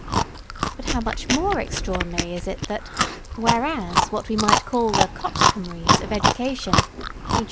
But how much more extraordinary is it that, whereas what we might call the coxcombries of education _e.